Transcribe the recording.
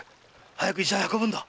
早く医者へ運ぶんだ！